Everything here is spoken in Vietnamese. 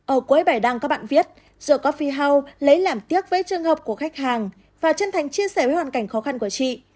ở cuối bài đăng các bạn viết jacophie house lấy làm tiếc với trường hợp của khách hàng và chân thành chia sẻ với hoàn cảnh khó khăn của chị